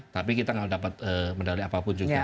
tapi kita nggak dapat medali apapun juga